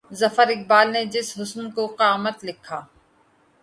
ظفر اقبال نے جس حُسن کو قامت لکھا